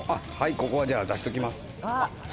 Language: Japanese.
ここはじゃあ出しときます